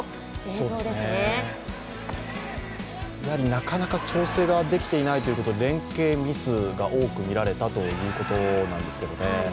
なかなか調整ができていないということで連係ミスが多く見られたということなんですけどね。